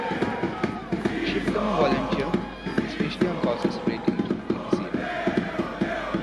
She became a volunteer, especially on causes relating to the disabled.